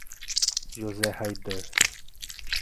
José Raydan